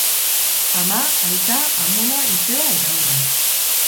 Ama, aita, amona, izeba eta haurrak.